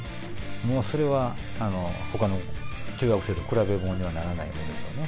もうそれはほかの中学生と比べ物にはならないものですよね。